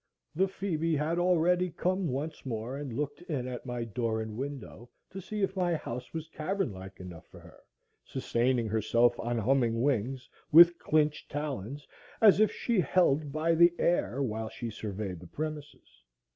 The phœbe had already come once more and looked in at my door and window, to see if my house was cavern like enough for her, sustaining herself on humming wings with clinched talons, as if she held by the air, while she surveyed the premises.